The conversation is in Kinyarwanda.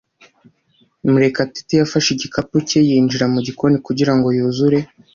Murekatete yafashe igikapu cye yinjira mu gikoni kugira ngo yuzure.